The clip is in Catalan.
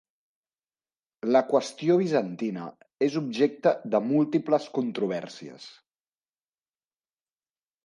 La qüestió bizantina és objecte de múltiples controvèrsies.